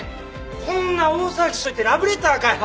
こんな大騒ぎしといてラブレターかよ！？